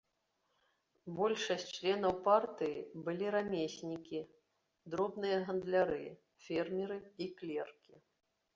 Большасць членаў партыі былі рамеснікі, дробныя гандляры, фермеры і клеркі.